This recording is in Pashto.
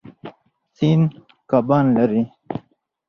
سیند کبان لري.